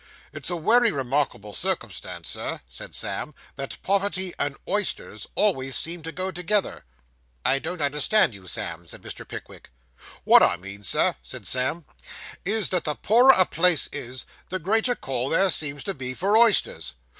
'It's a wery remarkable circumstance, Sir,' said Sam, 'that poverty and oysters always seem to go together.' 'I don't understand you, Sam,' said Mr. Pickwick. 'What I mean, sir,' said Sam, 'is, that the poorer a place is, the greater call there seems to be for oysters.